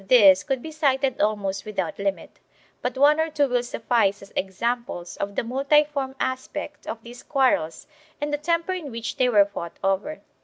486 CONFLICTING JURISDICTIONS [BOOK II could be cited almost without limit, but one or two will suffice as examples of the multiform aspect of these quarrels and the temper in which they were fought over.